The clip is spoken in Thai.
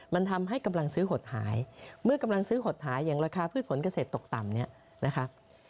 มันทำให้กำลังซื้อหดหายเมื่อกำลังซื้อหดหายอย่างราคาพืชผลเกษตรตกต่ำเนี่ยนะครับ